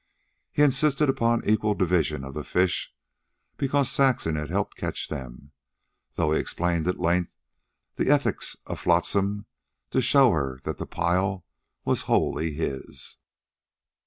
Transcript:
He insisted upon an equal division of the fish, because Saxon had helped catch them, though he explained at length the ethics of flotsam to show her that the pile was wholly his.